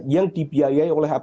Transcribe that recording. yang dibiayai oleh apbn